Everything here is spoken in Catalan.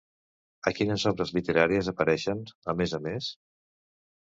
A quines obres literàries apareixen, a més a més?